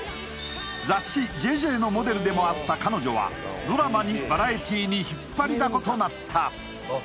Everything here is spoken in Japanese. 雑誌「ＪＪ」のモデルでもあった彼女はドラマにバラエティに引っ張りだことなったあっ